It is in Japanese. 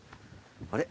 あれ？